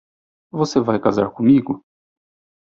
Você vai casar comigo?